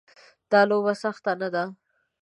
دا لوبه سخته نه ده.